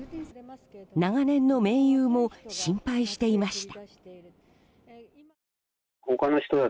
長年の盟友も心配していました。